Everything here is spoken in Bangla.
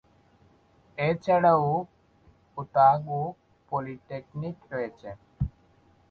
এছাড়াও ওতাগো পলিটেকনিক রয়েছে।